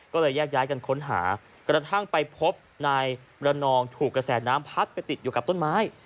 ก็เลยแยกย้ายกันค้นหากระทั่งไปพบนายมรนองถูกกระแสน้ำพัดไปติดอยู่กับต้นไม้